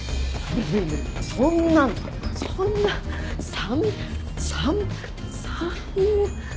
そんなのそんな３３３。